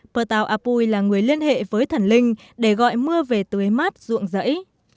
patao apui là người liên hệ với thần linh để gọi mưa về tưới mát ruộng dãy